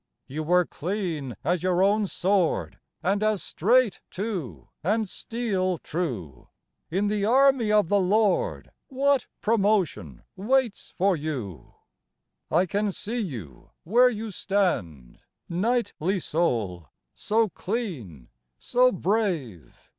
You were clean as your own sword And as straight too and steel true. In the Army of the Lord What promotion waits for you I I can see you where you stand, Knightly soul, so clean, so brave.